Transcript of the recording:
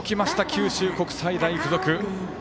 九州国際大付属。